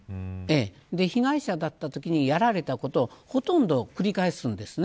被害者だったときにやられたことをほとんど繰り返すんです。